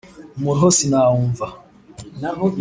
Umuruho sinawumva